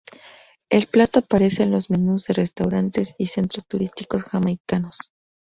El plato aparece en los menús de restaurantes y centros turísticos jamaicanos.